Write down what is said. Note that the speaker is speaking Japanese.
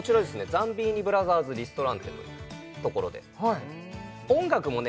ザンビーニ・ブラザーズ・リストランテというところで音楽もね